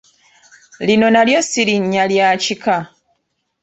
Lino nalyo si linnya lya kika.